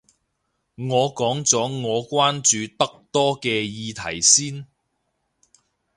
我講咗我關注得多嘅議題先